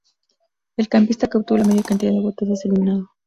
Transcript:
El campista que obtuvo la mayor cantidad de votos es eliminado.